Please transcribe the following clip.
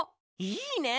いいね！